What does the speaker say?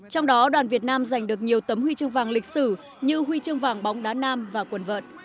trong đó đoàn việt nam giành được nhiều tấm huy chương vàng lịch sử như huy chương vàng bóng đá nam và quần vợn